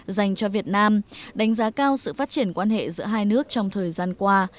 dành cho việt nam đánh giá cao sự phát triển quan hệ giữa hai nước trong thời gian qua